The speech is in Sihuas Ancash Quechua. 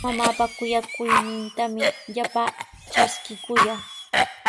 Mamaapa kuyakuynintami llapaa traskikuyaa.